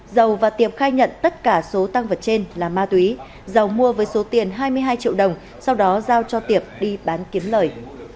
dầu và tiệp khai nhận tất cả số tăng vật trên là ma túy dầu mua với số tiền hai mươi hai triệu đồng sau đó giao cho tiệp đi bán kiếm lời